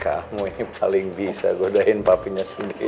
kamu ini paling bisa godain papinya sendiri